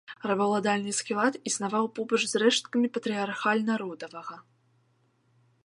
Рабаўладальніцкі лад існаваў побач з рэшткамі патрыярхальна-родавага.